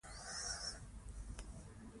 دغه ګړې به اوس ولیکل سي.